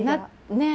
ねえ。